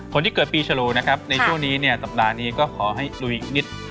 คนที่เกิดปีฉลูนะครับในช่วงนี้เนี่ยสัปดาห์นี้ก็ขอให้ลุยอีกนิด